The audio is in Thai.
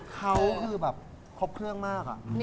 เขาคือแบบครบเครื่องมาก